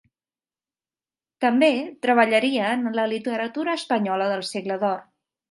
També treballaria en la literatura espanyola del Segle d'Or.